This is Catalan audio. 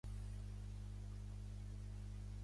El van promocionar a coronel als Zieten-Hussars.